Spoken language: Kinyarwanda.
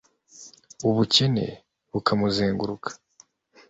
ubukene bukamuzenguruka